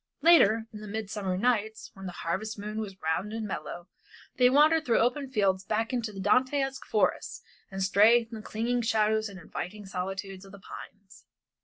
Later, in the midsummer nights, when the harvest moon was round and mellow, they wandered through the open fields back into the Dantesque forests and strayed in the clinging shadows and inviting solitudes of the pines.